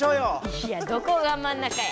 いやどこが真ん中や！